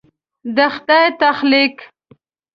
د خدای تخلیق